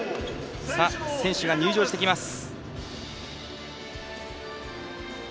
選手が入場してきます。